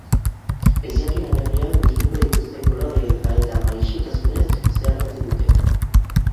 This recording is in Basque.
Ezjakin aberrian gustuko dituzten koloreen paleta maisutasunez zeharkatzen dute.